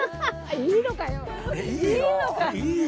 いいのかよ。